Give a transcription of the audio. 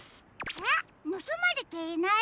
えっぬすまれていない？